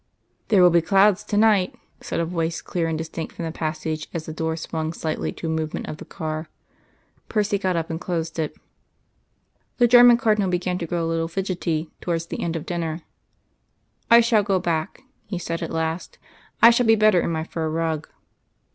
"There will be clouds to night," said a voice clear and distinct from the passage, as the door swung slightly to a movement of the car. Percy got up and closed it. The German Cardinal began to grow a little fidgety towards the end of dinner. "I shall go back," he said at last. "I shall be better in my fur rug."